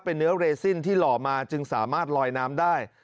เป็นเนื้อเรซินที่หล่อมาจึงสามารถลอยน้ำได้